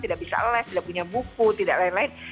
tidak bisa les tidak punya buku tidak lain lain